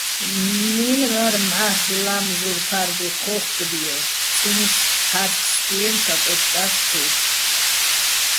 ნინო̆ღარ მჵარ'ლ ლა́მზურ ფა́რდი ჴო́ხკდიეჼ წინიშ ხა́რცდიენჩო̆ აკოშკა́ხ, თო́უგო̆.